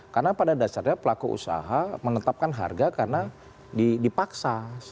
karena pada dasarnya pelaku usaha menetapkan harga karena dipaksa